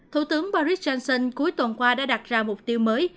thủ tướng boris johnson cuối tuần qua đã đặt ra mục tiêu mới